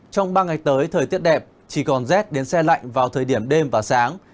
trong ba ngày tới thời tiết đẹp chỉ còn rét đến xe lạnh vào thời điểm đêm và sáng